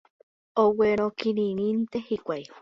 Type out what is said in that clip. Oguerokirĩnte hikuái.